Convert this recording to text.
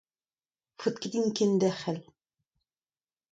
Ne faot ket din kenderc'hel.